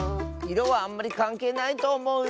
いろはあんまりかんけいないとおもう。